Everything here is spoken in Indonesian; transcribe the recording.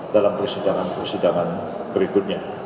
dalam persidangan persidangan berikutnya